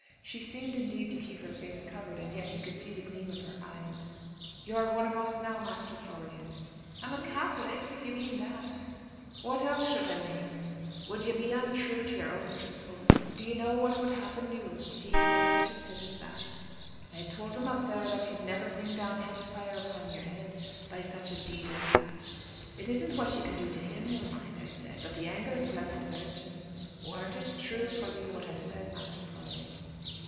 She seemed indeed to keep her face covered, and yet he could see the gleam of her eyes. "You're one of us now, Master Florian." "I'm a Catholic, if you mean that." "What else should I main? Would ye be unthrue to your own people? Do ye know what would happen you if ye commit such a sin as that? I tould them up there that you'd never bring down hell fire upon yer head, by such a deed as that. It isn't what ye can do to him he'll mind, I said, but the anger o' the Blessed Virgin. Worn't it thrue for me what I said, Master Florian?"